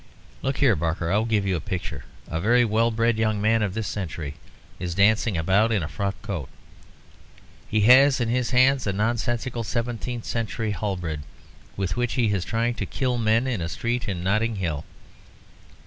Look here, Barker; I will give you a picture. A very well bred young man of this century is dancing about in a frock coat. He has in his hands a nonsensical seventeenth century halberd, with which he is trying to kill men in a street in Notting Hill.